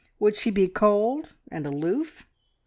Would she be cold and aloof?